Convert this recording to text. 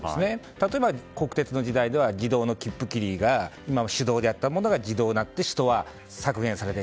例えば、国鉄の時代では自動の切符切りが手動だったものが自動になって人は削減された。